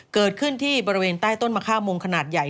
เกิดขึ้นที่บริเวณใต้ต้นมะค่ามงขนาดใหญ่